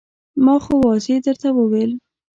ما خو واضح درته وویل.